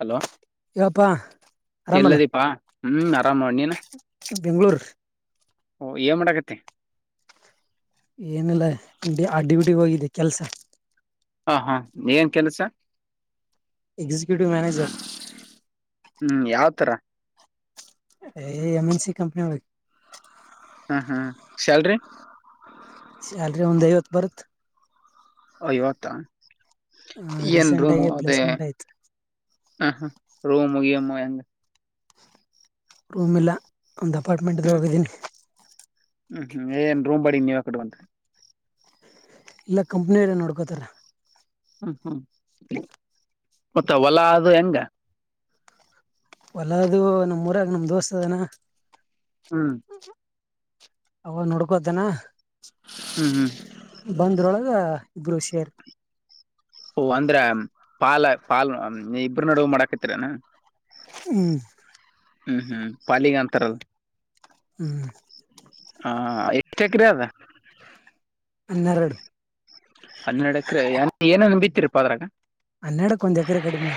Hello ಇವಪ್ಪಾ ಎಲ್ಲ ಆರಾಮಲ್ಲ ದೀಪಾ ಹ್ಮ್ ಆರಾಮ ನೀನು ಬೆಂಗ್ಳೂರ್ ಓ ಏ ಬಡತಿ ಏನಲ್ಲ ಅಡ್ಡಿ ಬಿಡ್ಡಿಿಗೆ ಹೋಗಿದ್ದೆ ಕೆಲ್ಸ ಹಾ ಹಾ ಏನ್ ಕೆಲಸ ಎಕ್ಸಿಕ್ಯೂಟಿವ್ ಮ್ಯಾನೇಜರ್ ಹ್ಮ್ ಯಾವ್ತರ ಎಮ ಎನ್ ಸಿ ಕಂಪನಿ ಒ ಹ್ಮ್ ಹ್ಮ ಸ್ಯಲ್ರಿ ಅಲ್ರಿ ಒಂದ ಐವತ್ತು ಬರುತ್ ಯವತಾ ಹ ರೀಸೆಂಟ್ ಆಗಿ ಪ್ಲೇಸ್ಮೆಂಟ್ ಆಯ್ತ್ು ಹ ಹಾ ರೂಮಗಮ್ಮ ಹೆಂಗ ರೂಮಲ ಒಂದು ಅಪಾರ್ಟ್ಮೆಂಟ್್ದ ಹ್ಮ್ ಹೋಗಿದ್ದೀನಿ ಹ್ಮ್ ಹ್ಮ್ ಏನ್ ರೂಮ್ ಬಡ ನೀವ ಕಡುವಂತ ಇಲ್ಲ ಕಂಪ್ನಿಯರ ನೋಡ್ಕೋತಾರ ಹ್ಮ್ ಹ್ಮ್ ಮತ್ತ ಹೊಲ ಅದು ಹೆಂಗ ಹೊಲದು ನಮ್ೂಊರಾಗ ನಮ್ ದೋಸ್ತ್ ಅದಾನ ಹ್ಮ್ ಅವ ನೋಡ್ಕೊಂತಾನ ಹ್ಮ್ ಹ್ಮ್ ಒಂದ್ರೊಳಗ ಇಬ್ಬರು ಷೇರ್ ಓ ಅಂದ್ರ ಪಾಲ ಪಾಲ್ ಇಬ್ರ ನಡುವೆ ಮಾಡಾಕತ್ತಿರೆನು ಹ್ಮ್ ಹ್ಮ್ ಹ್ಮ್ ಪಾಲಿಗೆ ಅಂತಾರಲ್ ಹ್ಮ್ ಹಾ ಎಸ್ಟ್ ಎಕರೆ ಆದ ಹನ್ನೆರಡು ಹನ್ನೆರಡು ಎಕರೆ ಏನೇನು ಬಿತ್ತಿರೀ ಅದರಾಗ ಹನ್ನೆರಡಕ್ಕ ಒಂದು ಎಕರೆ ಕಡಿಮೆ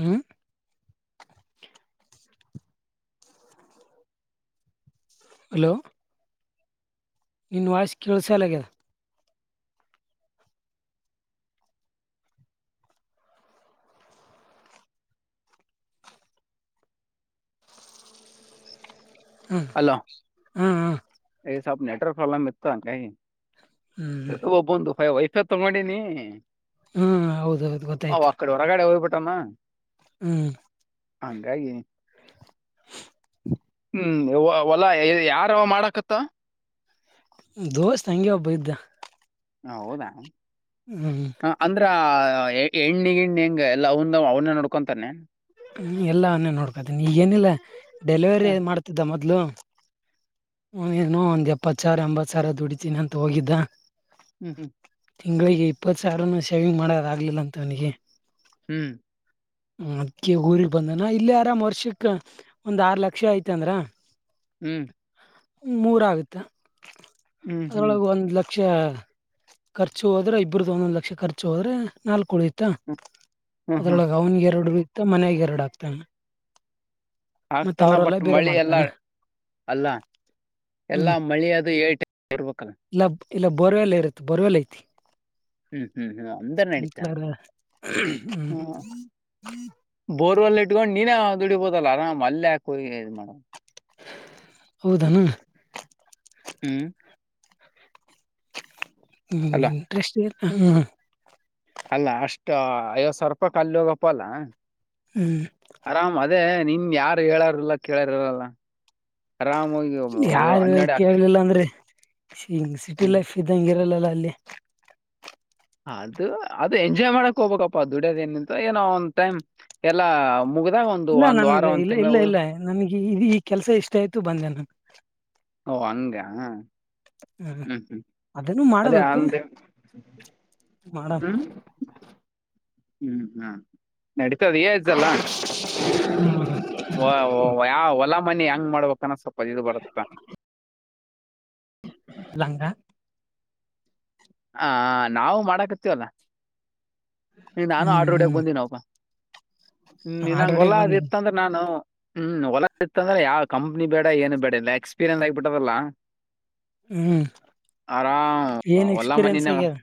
ಹ್ಮ್ ಹಲೋ ಇನ್ ವಾಯ್ಸ್ ಕೇಳಸಲ್ಲಾಗದ ಹ್ಮ್ ಹಲೋ ಹ್ಮ್ ನೆಟ್ವರ್ಕ್ ಪ್ರಾಬ್ಲಮ್ ಇತ್ತು ಹಂಗಾಗಿ ಹ್ಮ್ ಹ್ಮ್ ಒಬ್ಬಂದು ವೈಫೈ ತಗೊಂಡೀನಿ ಹ್ಮ್ ಹೌದೌದು ಅವ ಗೊತ್ತಾಯ್ತು ಅಕಡೆ ಹೊರಗಡೆ ಹೋಗಿ ತಮ್ಮ ಹ್ಮ್ ಹಂಗಾಗಿ ಹೊಲ ಯಾರ ಯಾವ ಮಾಡಕತ್ತ ದೋಸ್ತ್ ಹಂಗೆ ಒಬ್ಬ ಇದ್ದ ಹೌದ ಹ್ಮ್ ಹ ಅಂದ್ರ ಹೆಣ್ಣಿಗೆ ಹಣ್ಣ್ ಹೆಂಗ ಎಲ್ಲ ಅವನು ಅವನ ನಡ್ಕೊಂತಾನೆ ಹ್ಮ ಎಲ್ಲ ಅವ್ನೆ ನೋಡ್ಕೋತಾನೆ ಈಗ ಏನಿಲ್ಲ ಡೆಲಿವರಿ ಹ, ಮಾಡ್ತಿದ್ದ ಮತ್ತೆ ಮೊದ್ಲು ಒಂದ್ ಏನೋ ಎಪ್ಪತ್ ಸಾವಿರ ಎಂಬತ್ತು ಸಾವಿರ ದುಡಿತೀನ ಅಂತ ಹೋಗಿದ್ದ ಹ್ಮ್ ಹ್ಮ್ ತಿಂಗಳಿಗೆ ಇಪ್ಪತ್ತು ಸಾವಿರನು ಶೇವಿಂಗ್ ಮಾಡೋದ ಆಗಲಿಲ್ಲ ಅಂತ ಅವನಿಗೆ ಹ್ಮ್ ಹ್ಮ ಅದಿಕ್ಕೆ ಈಗ ಊರಿಗ್ ಬಂದನ ಇಲ್ಲಿ ಆರಾಮ್ ವರ್ಷಕ್ ಒಂದ್ ಆರ್ ಲಕ್ಷ ಐತಂದ್ರ ಹ್ಮ್ ಮೂರಗುತ್ತೆ ಹ್ಮ್ ಹ್ಮ್ ಹ್ಮ್ ಅದ್ರೊಳಗೆ ಒಂದ್ ಲಕ್ಷ ಲಕ್ಷ ಖರ್ಚು ಹೋದ್ರೆ ಇಬ್ಬರದೂ ಒಂದೊಂಧು ಲಕ್ಷ ಖರ್ಚು ಹೋದ್ರೆ ನಾಲ್ಕು ಉಳೀತು ಇತ್ತ ಹ್ಮ್ ಹ್ಮ್ ಹ್ಮ್ ಅದ್ರೊಳಗೆ ಅವನಿಗೆ ಎರಡು ಮತ್ತೆ ಮನೆಗೆ ಎರಡ ಆಗ್ತಾನ ಮತ್ತ ಆಗ್ತಾನ ಅವರೆಲ್ಲ ಬಟ್ ಬೇರೆ ಮಳಿ ಎಲ್ಲ ಮಾಡ್ತಾನ ಅಲ್ಲ ಹ್ಮ್ ಎಲ್ಲಾ ಮಳಿ ಅದು ಏಟ ಇರ್ಬೇಕಲ್ಲ ಇಲ್ಲ ಇಲ್ಲ ಬೋರ್ವೆಲ್ ಇರುತ್ತೆ ಬೋರ್ವೇಲ್ ಐತಿ ಹ್ಮ್ ಹ್ಮ್ ಹ್ಮ್ ಅಂದರ್ ನಡತ ಸ್ಪ್ರಿಂಕ್ಲರ್ ಹ್ಮ ಬೋರ್ವಲ್ ಇಟ್ಕೊಂಡು ನೀನ ದುಡಿಬೋುದಲ್ಲ ಆರಾಮ್ ಅಲ್ಲ ಹಾಕ ಹೋಗ ಮೇಡ್ ಹೌದಣ ಹ್ಮ್ ಅಲ್ಲ ಹ ಇಂಟ್ರೆಸ್ಟ್ ಇಡ್ ಹ್ಮ. ಅಲ್ಲಾ ಅಷ್ಟ ಐವತ್ ಸಾವಿರ ರೂಪಾಯಿ ಕಾಲ ಹೋಗಪ್ಪ ಅಲ್ಲಾ. ಹ್ಮ್ ಆರಾಮ ಅ. ಅದೇ ನಿನ್ ಯಾರು ಹೇಳಾರಲ್ಲ ಕೇಳಾರಲ್ಲ. ಆರಾಮ ಯಾರು ಅನ್ನಡಕ. ಕೇಳಲಿಲ್ಲ ಅಂದ್ರೆ ಸಿಟಿ ಲೈಫ್ ಇದ್ದಂಂಗ ಇರಲ್ಲ. ಲ್ಲಿ ಅದು ಅದು ಎಂಜಾಯ್ ಮಾಡಕ್ ಹೋಗ್ಬೇಕಪ್ಪಾ ದುಡ್ಯೋದ ಏನಿಂತ ಏನೋ ಒಂದ್ ಟೈಮ್ ಎಲ್ಲಾ ಇಲ್ಲ ನಮಗೆ ಇಲ್ಲ ಇಲ್ಲ ಇಲ್ಲ ನಮಗೆ ಈ ಕೆಲ್ಸ ಎಷ್ಟ ಆಯ್ತು ಬಂದೆ ನ ಓ ಹಂಗ ಹ್ಮ ಹ್ಮ್ ಅದನ್ನು ಅದೇ ಮಾಡಬೇಕು ಅಂದೆ ಮಾಡ ಹ್ಮ್ ಹ್ಮ್ ಹ್ಮ್ ನಡತದ ಏ ಇದ್ದಲ್ಲ ಹ್ಮ್ ವ ಯ ಹೊಲ ಮನೆಿ ಹೆಂಗ್ ಮಾಡ್ಬೇಕಕ್ ಅನಸಪ ಅ ಇದು ಬರುತ್ತಾ ಲಂಗಂಗಾ ಹ ನಾವು ಮಾಡಕತ್ತೀವಲ್ಲ ನೀ ನಾನು ಹ್ಮ್ ಆಡ್ರೋಡಕ್ ಹ್ಮ್ ಬಂದೀನಪ್ಪ ಹ್ಮ ನಂಗಗೆ ಆಡ್ರಡೆಗೆ ಒಲ್ಲಾ ಅದ್ ಬಂದೇನೆ ಇತ್ತಂದ್ರೆ ನಾನು ಹ್ಮ್ ಹೊಲ ಇತ್ತ ಅಂದ್ರೆ ಯಾವ ಕಂಪ್ನಿ ಬೇಡ ಏನು ಬೇಡ ಇಲ್ಲ ಎಕ್ಸ್ಪೀರಿಯೆನ್ಸ್ ಆಗ್ಬಿಟ್ಟದಲ್ಲಾ ಹ್ಮ್ ಆರಾಮ್ ಏನ್ ಎಕ್ಸ್ಪೀರಿಯನ್ಸ್ ಆಗ್ಯಾರ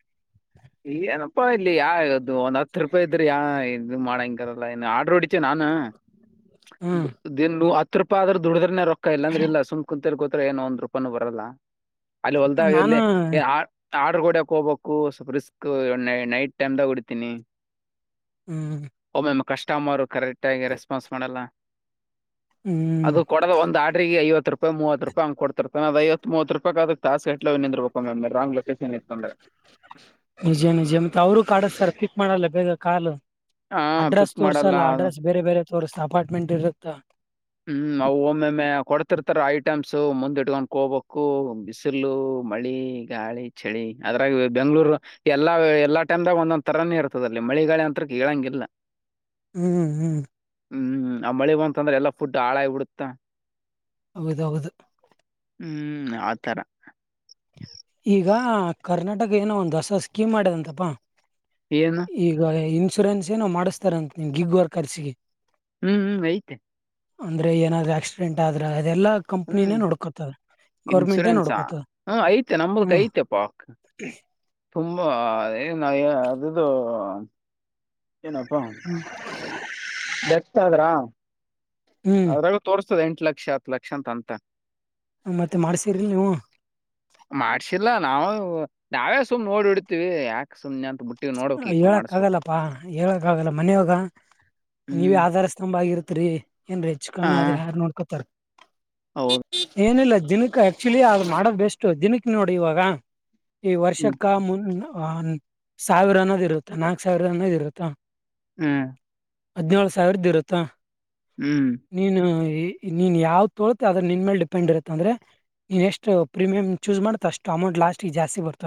ಈ ಏನಪ್ಪಾ ಇಲ್ಲಿ ಯಾವಗ ಇದು ಒಂದ್ ಹತ್ತು ರೂಪಾಯಿ ಇದ್ರಿ ಯಾ ಇ ಮಾಡಂಗದಲ್ಲ ಇನ್ನು ಆರ್ಡ್ರ ಹೊಡಿತ ನಾನು ಹ್ಮ್ ದಿನ ಹ ರೂಪ ಆದ್ರ ದುಡಿದ್ರನೇ ರೊಕ್ಕ ಇಲ್ಲಂದ್ರೆಲ್ಲ ಸುಂಕ ಕುಂತ ಗೋತ್ರ ಏನ ಒಂದ್ೂಪಾನೂ ಬರಲ್ಲ ಅಲ್ಲಿ ಹೊಲ್ದ ನಾನು ಇರ್ಲಿ ಏ ಆರ್ಡರ್ ಕೊಡಕ್ ಹೋಗಬೇಕು ಸ್ವಲ್ಪ ರಿಸ್ಕ್ ನೈಟ್ ಟೈಮ್ ದಾಗ ಹೊ ತಿನಿ ಹ್ಮ್ ಮಾರು ಕರೆಕ್ಟ್ ಗಿ ರೆಸ್ಪಾನ್ಸ್ ಮಾಡಲ್ಲ ಹ್ಮ್ ಅದು ಕೊಡದ ಒಂದು ಆಡ್ರಿಗೆ ಐವತ್ತ ಮೂವತ್ತ ರೂಪೈ ಅವಗ ಕೊಡ್ತಿರ ತನ ಅದ ಐವತ್ತ ಮುವತ್ತ ರೂಪೈಗ ಅದ್ ತಾಸ ಗಟ್ಲೆ ಹೋಗ್ ನಿಂದ್ರಬೇಕ ಒಮ್ಮೊಮ್ಮೆ ರಾಂಗ್ ಲೋಕೆ ನಿಜ ನಿಜ ಮತ್ತ ಅವರು ಕಾಡ್ಸ್ತರ್ ಪೀ ಕ ಮಾಡಲ್ಲ ಬೇಗ ಕಾಲು ಹಾ ಪಿಕ್ ಅಡ್ರೆಸ್ ತೋರ್ಸಲ್ಲ ಮಾಡಲ್ಲ ಅಡ್ರೆಸ್ ಬೇರೆ ಬೇರೆ ತೋರಿಸ್ತ ಅಪಾರ್ಟ್ಮೆಂಟ್ ಇರತ್ತಾ ಹ್ಮ್ ಅವು ಒಮ್ಮೊಮ್ಮೆ ಕೊಡ್ತಿರ್ತಾರ ಐಟಮ್ಸ ಮುಂದಿಟ್ಕೊಂಡ್ಕೋಬೇಕು ಬಿಸಿಲು ಮಳಿ ಗಾಳಿ ಚಳಿ ಅದ್ರಾಗ ಬೆಂಗ್ಳೂರು ಎಲ್ಲಾ ಎಲ್ಲಾ ಟೈಮ್ಗ ಒಂದೊಂದ್ ತರಾನೇ ಇರ್ತದಲ್ಲಿ ಮಳಿ ಗಾಳಿ ಅಂತ್ರ ಕೆಳಂಗಿಲ್ಲ ಹ್ಮ್ ಹ್ಮ್ ಹ್ಮ್ ಆ ಮಳಿ ಬಂತಂದ್ರ ಎಲ್ಲಾ ಫುಡ್ ಹಾಳಾಗಿ ಬಿಡ್ತಾ ಹೌದೌದು ಹ್ಮ್ ಆತರ ಈಗ ಕರ್ನಾಟಕ ಏನೋ ಒಂದು ಹೊಸ ಸ್ಕೀಮ್ ಮಾಡ್ಯದಂತಪಾ ಏನು ಈಗ ಇ ಇನ್ಸುರೆನ್ಸ್ ಏನೋ ಮಾಡ್ತಾರ ಅಂತ ನಿಮ್ ಗಿಗ್ ವರ್ಕರ್ಸಿಗೆ ಹ್ಮ್ ಹ್ಮ್ ಐತೆ ಅಂದ್ರೆ ಏನಾದ್ರೂ ಆಕ್ಸಿಡೆಂಟ್ ಆದ್ರ ಅದೆಲ್ಲಾ ಕಂಪ್ನಿನೇ ಹ್ಮ್ ನೋಡ್ಕೊತದ ಗೌರ್ಮೆಂಟೇ ನೋಡ್ಕೊತದ ನ ನಮ್ದುಕ ಐತೆಪಾಕ್ ತುಂಬಾ ಏನ್ ಅಯ ಅದುದು ಏನಪ್ಪ ತದ್ರಾ ಹ್ಮ್ ಅದ್ರಾಗ ತೋರಸ ದ ಎಂಟ ಲಕ್ಷ ಹತ್ತು ಲಕ್ಷ ಅಂತ ಅಂತ ಮತ್ತೆ ಮಾಡ್ಸಿರಿಲ್ಲ ನೀವು ಮಾಡ್ಸಿಲ್ಲಾ ನಾವು ನಾವೇ ಸುಮ್ನೆ ನೋಡಿ ಹೋಡ್ತಿವಿ ಯಾಕ ಸುಮ್ನೆ ಅಂತ ಬಿಟ್ಟ ಹೇಳಕ್ ಆಗಲ್ಲಪ್ಪಾ ಹೇಳಕ್ ಆಗಲ್ಲ ಮನೆಯವಾಗ ನೀವೇ ಹ್ಮ್ ಆಧಾರ ಸ್ತಂಭ ಆಗಿರುತ್ತ ತ್ರಿ ಎನ್ರೆ ಹೆಚ್ಚು ಆ ಕಮ್ಮಿ ಆದ್ರ ಯಾರ್ ನೋಡ್ಕೊತಾರ ಹೌದು ಏನಿಲ್ಲ ದೀ ದಿನಕ್ಕ ಆಕ್ಚುಲಿ ಆದ್ ಮಾಡೋದ ಬೆಸ್ಟ್ ದಿನಕ್ಕ ನೋಡಿ ಇವಾಗ ಈ ಹ್ಮ್ ವರ್ಷಕ್ಕ ಮುನ್ನ ಆನ್ ಸಾವಿರ ಅನ್ನೋದ್ ಇರುತ್ತಾ ನಾಕ ಸಾವಿರ ಅನ್ನೋದಿರುತ್ತಾ ಹ್ಮ್ ಹದ್ಿನೇಳು ಸಾವಿರದ್ದು ಇರುತ್ತಾ ಹ್ಮ್ ನೀನು ನೀನ್ ಯಾವ್ದ್ ತೋಳತ್ತೆ ಅದ್ರ ನಿನ್ ಮೇಲೆ ಡಿಪೆಂಡ್ ಇರುತ್ತೆ ಅಂದ್ರೆ ನೀನ್ ಎಷ್ಟು ಪ್ರೀಮಿಯಂ ಚೂಸ್ ಮಾಡತ್ತ ಅಷ್ಟು ಅಮೌಂಟ್ ಲಾಸ್ಟ್ ಜಾಸ್ತಿ ಬರ್ತ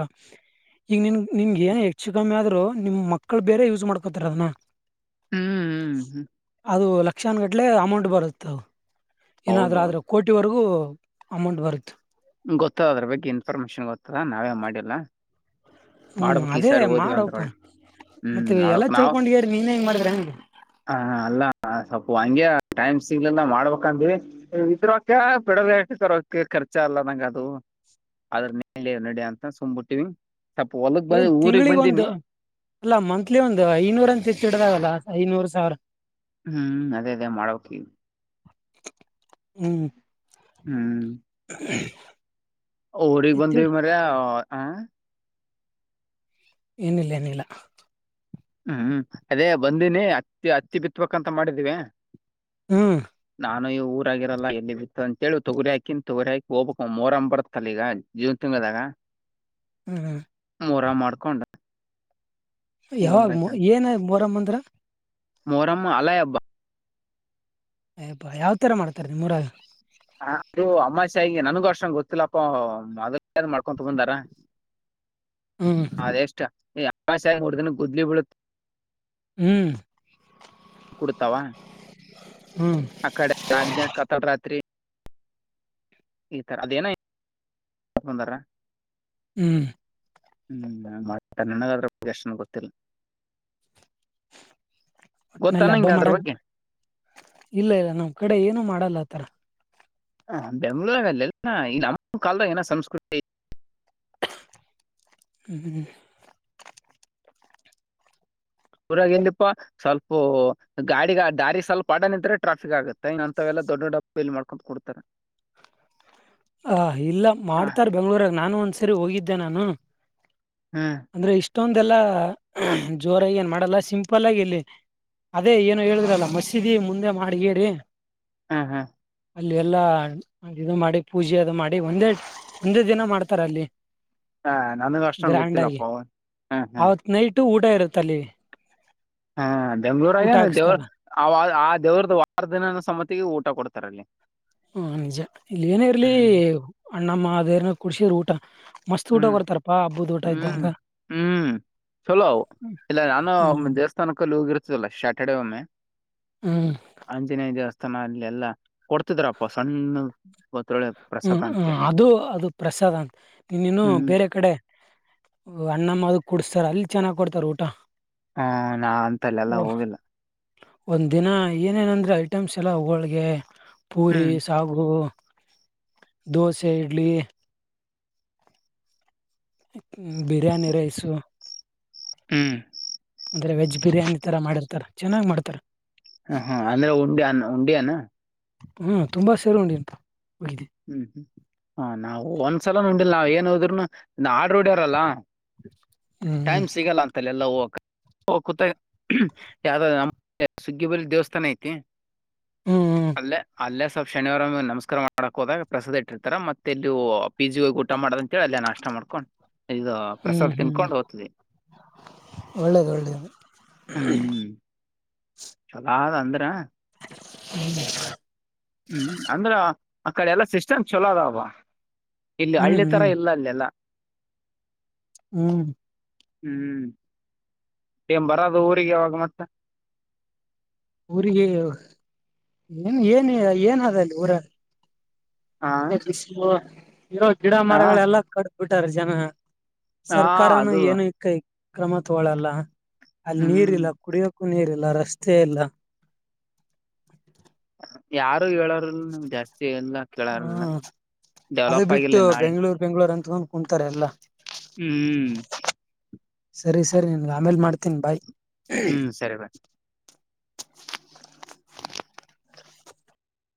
ಈಗ ನಿಗೆ ಚ ಕಮ್ಮಿ ಆದರೂ ನಿಮ್ಮ ಮಕ್ಳು ಬೇರೆ ಯೂಸ್ ಮಾಡ್ಕೊತಾರ ಅದನಾ ಹ್ಮ್ ಹ್ಮ್. ಅದು ಲ ಶಿಕ್ಷನ್ ಗಟ್ಲೆ ಅಮೌಂಟ್ ಬರುತ್ತ ಹೌದು ಏನಾದ್ರೂ ಹೌದು ಆದ್ರೆ ಕೋಟಿಿವರೆಗೂ ಅಮೌಂಟ್ ಬರುದು ಗೊತ್ತದ ಅದ್ರ ಬಗ್ಗೆ ಇನ್ಫಾರ್ಮೇಶನ್ ಗೊತ್ತದ ನಾವೇ ಮಾಡಿಲ್ಲ ಹ್ಮ್ ಮಾಡ್ಬೇಕಕ್ ಈ ಅದೇ ಸಾರಿ ಓದಿವವ ಅಂತ ಮಾಡಪ್ಪ ಒಿ ಹ್ಮ್ ಮತ್ತೆ ಮಾಡ್ಬೇಕ ಎಲ್ಲಾ ನಾವ್ ತಿಳ್ಕೊಂಡ್ಗ್ಯಾರ ನೀನ್ ಹೆಂಗ್ ಮಾಡಿದ್ರ ಹೆಂಗ ಹ ಅಲ್ಲ ಸ್ೊಪ್ಪ ಹಂಗಗೆ ಟೈಮ್ ಸಿಗ್ ಮಾಡ್ಬೇಕಂತೀ ಇದರೋಕ ಪಡಲ್ ತರಕ್ಕೆ ಖರ್ಚ ಇಚ ಅಲ್ಲ ನಂಗಗೆ ಅದು ಅದ್ರ ನ ನಡ ಅಂತ ಸುಂಬ್ಬುಟ್ಟಿವ ಏನ್ ತಿಂಗಳಿಗ್ ಒಂದು ಅಲ್ಲ ಮಂತ್ಲಿ ಒಂದು್ ಐನೂರಂತ ಹೆಚ್ಚ ಲ್ಲ ಐನೂರು ಸಾವಿರ ಹ್ಮ್ ಅದೇ ಅದೇ ಮಾಡೋಕ ಹ್ಮ್ ಹ್ಮ್ ಹ್ಮ ಊರಿಗ್ ಬಂದಿವವಿ ಮರ ಆ ಏನಿಲ್ಲ ಏನಿಲ್ಲ ಹ್ಮ್ ಅದೇ ಬಂದೀಿನಿ ಅತ್ತಿ ಹತ್ತಿ ಬಿತ್ಬೇಕಕ್ಂತ ಮಾಡಿದಿವವಿ ಹ್ಮ್ ನಾನು ಈ ಊರ ಆಗಿರಲ್ಲ ಎಲ್ಲಿ ಬಿತ್ತು ಅಂತೇಳಿ ತೊಗರಿ ಹಾಕಿನ್ ತೊಗರಿ ಹಾಕಿ ಹೋಗ್ಬೇಕ ಮೂೋರಂಬ ಬರ್ತ್ತಲ್ಲ ಈಗ ಜೀವ್ ತಿಂಗದಾಗ ಹ್ಮ್ ಮರ ಮಾಡ್ಕೊಂಡ ಯಾವಾಗ ಮ ಏನ ಮೊರಮ್ಮ ಅಂದ್ರ ಮೋರಮ್ಮ ಅಲಯ ಅಬ್ಬಾ ಅಯಪ್ಪಾ ಯಾವ್ ತರ ಮಾಡ್ತಾರ ನಿ ಮೂರಾಗ ಹಗೆ ನನ್ಗೂ ಅರ್ಷಂಗ ಗೊತ್ತಿಲ್ಲಪ್ಪ ಮೊದಲ್ೇ ಅ್ ಮಾಡ್ಕೊಂಡ ತಗಂದಾರ ಹ್ಮ್ ಅದ ಎಷ್ಟ. ಹಾ ಸಾಯ ಮೂರ್ ದಿನ ಗುದ್ಲಿ ಬಿೀಳುತ್ತ ಹ್ಮ್ ಕುಡ್ತಾವ ಹ್ಮ್ ಆ ಕಡೆ ನಾ ಕತಡ ರಾತ್ರಿ ಈತರ ಅದೇನಂದಾರ ಹ್ಮ್ ಹ್ಮ್ ಮಾಡ ನನಗದ್ರ ಪ್ರಗೆಷ್ಟ ಗೊತ್ತಿಲ್ಲ ಒಟ್ಟಿನಲ್ಲಿ ಗೊತ್ತಾನ ಹಬ್ಬ ಹಿಂಗ ಅದ್ರ ಮಾಡಕ್ ಬಗ್ಗೆ ಇಲ್ಲ ಇಲ್ಲ ನಮ್ ಕಡೆ ಏನುೂ ಮಾಡಲ್ಲ ಆತರ ಹ ಬೆಂಗ್ಳೂರಲ್ಲೆಲ್ಲ ಈ ನಮ್ಮ ಕಾಲದಾಗ ಏನ ಸಂಸ್ಕೃತಿ ಹ್ಮ ಊರಾಗ ಎಲ್ಲಿಪ್ಪಾ ಸ್ವಲ್ಪ ಗಾಡಿ ದಾರಿ ಸ್ವಲ್ಪ ಅಡ್ಡ ನಿಂತ್ರ ಟ್ರಾಫಿಕ್ ಆಗುತ್ತೆ ಇನ್ನ ಅಂತವೆಲ್ಲ ದೊಡ್ಡ ದಪ್ಪ ಇಲ್ಲಿ ಮಾಡ್ಕೊಟ್ಕೊಡ್ತಾರೆ. ಹ ಇಲ್ಲ ಮಾಡ್ತಾರ್ ಬೆಂಗ್ಳೂರಾಗ ನಾನ್ ಒಂದ್ಸ ರಿಗೆ ಹೋಗಿದ್ದೆ ನಾನು. ಹ್ಮ್ ಅಂದ್ರೆ ಇಷ್ಟ ಇಷ್ಟೊಂದೆಲ್ಲಾ ಜೋರಾಗಿ ಏನ್ ಮಾಡಲ್ಲ ಸಿಂಪಲ್ ಆಗಿ ಇಲ್ಲಿ ಅದೇ ಏನು ಹೇಳುದ್ರಲ್ಲ ಮಸೀದಿ ಮುಂದೆ ಮಾಡಗೀಡಿ ಹ್ಮ ಹಾ ಅಲ್ಲಿ ಎಲ್ಲಾ ಇದು ಮಾಡಿ ಪೂಜೆ ಅದು ಮಾಡಿ ಒಂದೇ ಒಂದೇ ದಿನ ಮಾಡ್ತಾರ ಅಲ್ಲಿ. ಹಾ ನನಗ ಅಷ್ಟನ್ ಗ್ರ್ಯಾಂಡ್ ಗೊತ್ತಿಲ್ಲಪ್ಪ ಆಗಿ ಅವನ್ ಹ್ಮ್ ಹ್ಮ್. ಅವತ್ ನೈಟ್ ಊಟ ಇರುತ್ತ ಅಲ್ಲಿ ಹಾ ಅ ಊಟ ಬೆಂಗಳೂರಾಗ ದೇವ್ರ ಹಾಕ್ಸ್ತಾರ ಆ ಆ ದೇವ್ರದ ವಾರ ದಿನ ಸಮತಿಗೆ ಊಟ ಕೊಡ್ತಾರೆ. ರಲ್ಲಿ ಹ ನಿಜ ಇಲ್ಲಿ ಏನ ಇರ್ಲಿ ಅಣ್ಣಮ್ಮ ಅದೇನ ಕುಡ್ಸಿದ್ರ ಊಟ‌ ಹ್ಮ್ ಹ್ಮ್ ಇದ್ದಂಗ ಹ್ಮ್ ಚಲೋ ಇಲ್ಲ ನಾನು ಹ್ಮ್ ದೇವಸ್ಥಾನಕ್ಕಲ್ಲಿ ಹೋಗಿರ್ತ್ತ ಚಲ ಸ್ಯಾಟರ್ಡೆೇ ಒಮ್ಮೆ ಹ್ಮ್ ಆಂಜನೇಯ ದೇವಸ್ಥಾನ ಹಾ ಅಲ್ಲಿ ಎಲ್ಲಾ ಕೊಡ್ತಿದ್ರಪ್ಪ. ಒತ್ತೊಳ್ಳೆ ಹ್ಮ್ ಪ್ರಸಾದ ಹ್ಮ ಅಂತ ಅದು ಅದು ಪ್ರಸಾದ್ ಅಂತ ಇ ಹ್ಮ್ ಬೇರೆ ಕಡೆ ಅಣ್ಣಮ್ಮ ಅದು ಕುಡಸ್ತಾ ಸರ್ ಅಲ್ಲಿ ಚೆನ್ನಾಗ್ ಕೊಡ್ತಾರೆ ಊಟ ಹ್ಮ ನಾ ಅಂತಲ್ಲ ಎಲ್ಲ ಹೋಗಿಲ್ಲ. ಒಂದ್ ದಿನ ಏನೇನಂದ್ರೆ ಐಟಮ್ಸ್ ಎಲ್ಲ ಹೋಳ್ಗೆ ಪೂರಿ ಹ್ಮ್ ಸಾಗು ದೋಸೆ ಇಡ್ಲಿ ಬಿರಿಯಾನಿ ರೈಸು ಹ್ಮ್ ಅಂದ್ರೆ ವೆಜ್ ಬಿರಿಯಾನಿ ತರ ಮಾಡಿರ್ತಾರ. ಚೆನ್ನಾಗ್ ಮಾಡ್ತಾರೆ. ಹ ಹಾ ಅಂದ್ರೆ ಉಂಡಿ ಅ ಉಂಡಿಯ ಅನ [inaudible] ಹ್ಮ್ ತುಂಬಾ ಸರು ಉಂಡಿಂತ ಹ್ಮ್ ಹ್ಮ್ ಹ ನಾವು ಒಂದ್ಸಲ ನೋಡಿಲ್ ನಾವ ಏನ್ ಹೋದ್ರರುನು ಆಡ್ರ ಹೊಡ್ಯಾರಲ್ಲಾ. ಟೈಮ್ ಹ್ಮ್ ಸಿಗಲ್ಲ ಅಂತಲ್ಲ ಎಲ್ಲ ಹೋಗ ಓ ಕತ ಯಾವ್ದಾದ ನಮ್ಮ ಸುಗ್ಗಿಬಳ್ಳಿ ದೇವಸ್ಥಾನ ಐತಿ ಹ್ಮ್ ಹ್ಮ್ ಅಲ್ಲ ಅಲ್ಲ ಶನಿವಾರ ನಮಸ್ಕಾರ ಮಾಡ ಮಾಡಕ್ ಹೋದಾಗ ಪ್ರಸಾದ ಇಟ್ಟರ್ತ ಮತ್ತೆ ಇಲ್ಲಿ ಪಿಜಿಟ್ಟ ಇಷ್ಟ ಮಾಡದಂತಿ ಅಲ್ಲಿ ನ ಅಷ್ಟ ಮಾಡ್ಕೊಂಡು ಇದು ಹ್ಮ್ ಹ್ಮ್ ಪ್ರಸಾದ್ ಹ್ಮ್ ತಿನ್ಕೊಂಡು ಹೋಗ್ತದೆ ಒಳ್ಳೇದು ಒಳ್ಳೇದು ಹ್ಮ್ ಚಲೋ ಅದ ಅಂದ್ರ ಹೌ ಹ್ಮ್ ಅಂದ್ರ ಅ ಕಡೆ ಎಲ್ಲಾ ಸಿಸ್ಟಮ್ ಚಲೋ ಅದವ ಇಲ್ಲಿ ಹ್ಮ್ ಹಳ್ಳಿ ತರ ಹ್ಮ್ ಇಲ್ಲ ಅಲ್ಲೆಲ್ಲ ಹ್ಮ್ ಹ್ಮ್ ಏನ್ ಬರೋದು ಊರಿಗೆ ಅವಾಗ ಮಟ್ಟ ಊರಿಗೆ ಏನ್ ಏನ್ ಏನದಲ್ಲಿ ಊರ ಹಾ ಸಿಸ [inaudible] ಇರೋ ಗಿಡ ಹಾ ಮರಗಳಲ್ಲ ಕ ಬಿಟ್ಟಾರೆ ಜನ ಹಾ ಸರ್ಕಾರನು ಅದು ಏನ ಇಕ್ಕೈ ಕ್ರಮ ತಗಳಲ್ಲ ಅಲ್ಲಿ ನೀರ್ ಹ್ಮ್ ಇಲ್ಲ ಕುಡಿಯೋಕ್ಕೂ ನೀರ್ ಇಲ್ಲ ಎಲ್ಲ ರಸ್ತೆ ಎಲ್ಲ ಯಾವ ಹೇಳಾರಲ್ಲಮ್ ಜಾಸ್ತಿ ಇಲ್ಲ ಕೇಳಾರಿಲ್ಲ ಹ್ಮ ಡೆವಲಪ್ ಆಗಿಿಲ್ಲ ನಾಳೆ ಅ ಅಂದ ಕುಂತಾರೆ ಎಲ್ಲ ಹ್ಮ್್ಮ ಸರಿ ಸರಿ ನನ್ಗೆ ಆಮೇಲೆ ಮಾಡ್ತ ತಿನ್ ಬಾಯ ಹ್ಮ್ ಸರಿ ಬಾಯ್